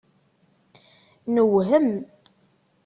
Newhem.